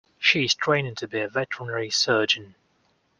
She is training to be a veterinary surgeon